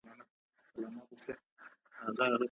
دا الوتکه پاکستان ته نه ځي.